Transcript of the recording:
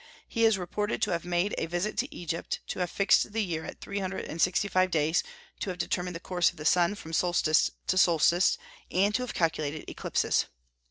He is reported to have made a visit to Egypt, to have fixed the year at three hundred and sixty five days, to have determined the course of the sun from solstice to solstice, and to have calculated eclipses.